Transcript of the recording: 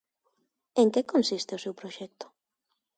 En que consiste o seu proxecto?